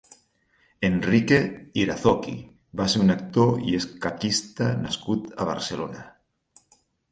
Enrique Irazoqui va ser un actor i escaquista nascut a Barcelona.